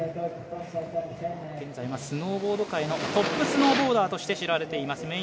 現在スノーボード界のトップスノーボーダーとして知られています。